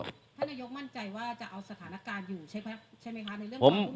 ท่านนโยคมั่นใจว่าจะเอาสถานการณ์อยู่ใช่ไหมคะ